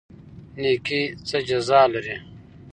نیکي څه جزا لري؟